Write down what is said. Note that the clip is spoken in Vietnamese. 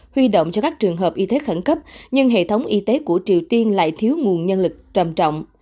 huy động cho các trường hợp y tế khẩn cấp nhưng hệ thống y tế của triều tiên lại thiếu nguồn nhân lực trầm trọng